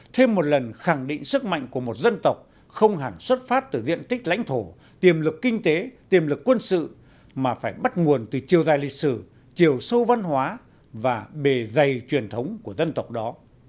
thêm một lần khẳng định sức mạnh của một dân tộc không hẳn xuất phát từ diện tích lãnh thổ tiềm lực kinh tế tiềm lực quân sự mà phải bắt nguồn từ chiều dài lịch sử chiều sâu văn hóa và bề dày truyền thống của dân tộc đó